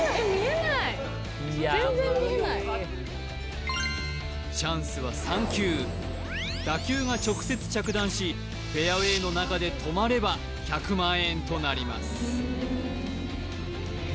全然見えないチャンスは３球打球が直接着弾しフェアウェイの中で止まれば１００万円となります